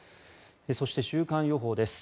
そして、週間予報です。